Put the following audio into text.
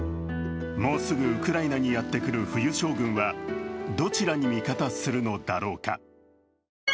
もうすぐウクライナにやってくる冬将軍はどちらに味方するのだろうか。